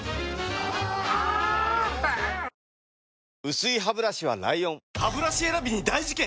薄いハブラシは ＬＩＯＮハブラシ選びに大事件！